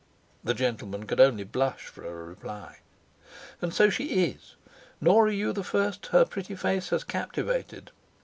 (The gentleman could only blush for a reply.) "And so she is nor are you the first her pretty face has captivated.